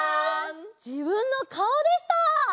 じぶんのかおでした！